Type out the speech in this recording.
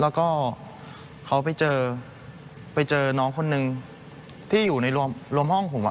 แล้วก็เขาไปเจอไปเจอน้องคนนึงที่อยู่ในรวมห้องผม